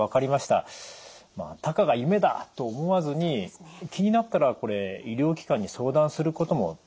たかが夢だと思わずに気になったらこれ医療機関に相談することも大切ですね。